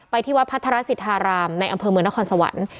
ที่วัดพัทรสิทธารามในอำเภอเมืองนครสวรรค์